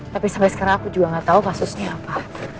tapi sampai sekarang aku juga gak tahu kasusnya apa